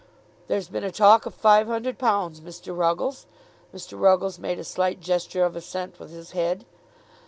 There's been a talk of five hundred pounds, Mr. Ruggles." Mr. Ruggles made a slight gesture of assent with his head.